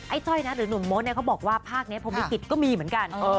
จ้อยนะหรือหนุ่มมดเนี่ยเขาบอกว่าภาคนี้พอวิกฤตก็มีเหมือนกัน